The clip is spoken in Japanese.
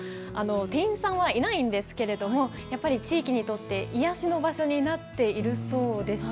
店員さんはいないんですけれども、やっぱり地域にとって癒やしの場所になっているそうです。